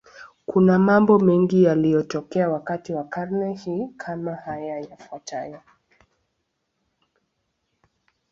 Kuna mambo mengi yaliyotokea wakati wa karne hii, kama haya yafuatayo.